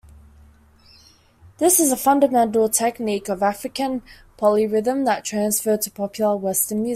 This is a fundamental technique of African polyrhythm that transferred to popular western music.